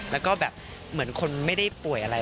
แล้วก็แบบเหมือนคนไม่ได้ป่วยอะไร